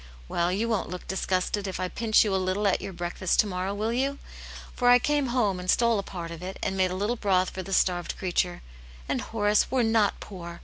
Well, you won't look disgusted if I pinch you a little at your breakfast to morrow, will you ? For I came home and stole a part of it, and made a little broth for the starved creature, and Horace, we're not poor